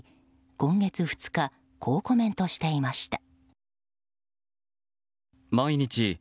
今月２日こうコメントしていました。